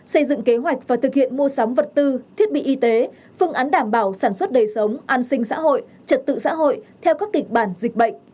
xây dựng kế hoạch và thực hiện mua sắm vật tư thiết bị y tế phương án đảm bảo sản xuất đời sống an sinh xã hội trật tự xã hội theo các kịch bản dịch bệnh